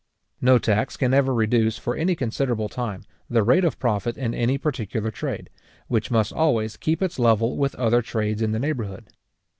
No tax can ever reduce, for any considerable time, the rate of profit in any particular trade, which must always keep its level with other trades in the neighbourhood.